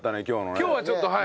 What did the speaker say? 今日はちょっとはい。